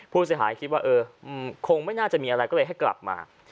ผู้เสียหายคิดว่าเออคงไม่น่าจะมีอะไรก็เลยให้กลับมา